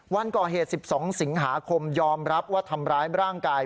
วันก่อเหตุ๑๒สิงหาคมยอมรับว่าทำร้ายร่างกาย